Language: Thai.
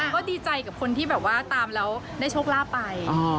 ก็ดีใจกับคนที่แบบว่าตามแล้วได้โชคลาภไป